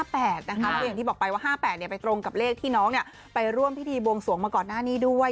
แล้วก็อย่างที่บอกไปว่า๕๘ไปตรงกับเลขที่น้องไปร่วมพิธีบวงสวงมาก่อนหน้านี้ด้วย